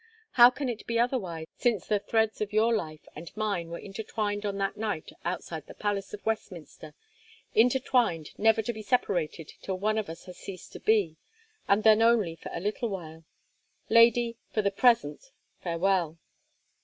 How can it be otherwise since the threads of your life and mine were intertwined on that night outside the Palace of Westminster —intertwined never to be separated till one of us has ceased to be, and then only for a little while. Lady, for the present, farewell."